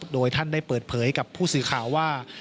โดยท่านได้เปิดเผยกับผู้สื่อข่าวว่า